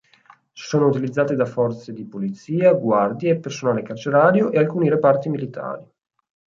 Sono utilizzati da forze di polizia, guardie, personale carcerario e alcuni reparti militari.